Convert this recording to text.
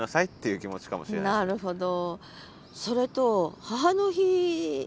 なるほど。